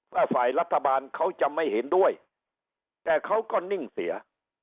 ฝ่ายรัฐบาลเขาจะไม่เห็นด้วยแต่เขาก็นิ่งเสีย